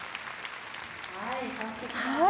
はい。